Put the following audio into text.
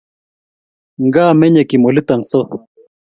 Nga menye Kim olito so?